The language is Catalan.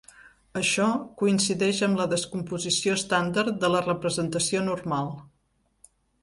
Això coincideix amb la descomposició estàndard de la representació normal.